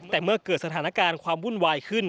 แต่เมื่อเกิดสถานการณ์ความวุ่นวายขึ้น